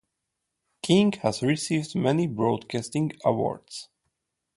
King has received many broadcasting awards.